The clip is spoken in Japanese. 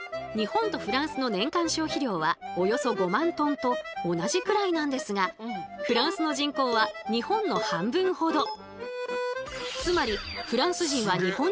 日本とフランスの年間消費量はおよそ５万トンと同じくらいなんですがフランスの人口は日本の半分ほど。